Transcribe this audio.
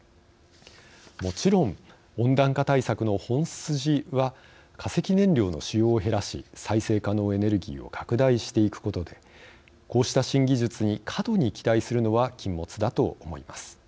もちろん、温暖化対策の本筋は化石燃料の使用を減らし再生可能エネルギーを拡大していくことでこうした新技術に過度に期待するのは禁物だと思います。